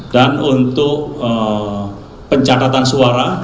dan untuk pencatatan suara